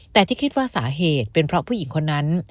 แต่ที่คิดว่าสาเหตุเป็นเพราะผู้หญิงคนนั้น